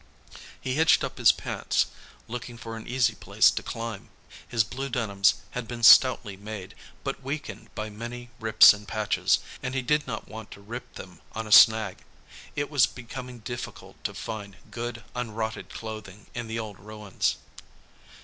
He hitched up his pants, looking for an easy place to climb. His blue denims had been stoutly made, but weakened by many rips and patches, and he did not want to rip them on a snag. It was becoming difficult to find good, unrotted clothing in the old ruins.